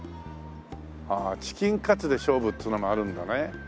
ああチキンカツで勝負っつうのもあるんだね。